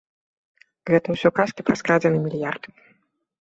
Гэта ўсё казкі пра скрадзены мільярд!